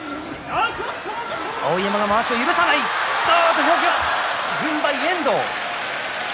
土俵際、軍配は遠藤。